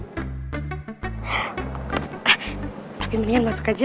eh tapi mendingan masuk aja ah